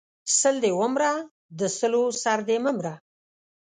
سل دې و مره، د سلو سر دې مه مره!